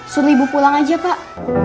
suruh ibu pulang aja pak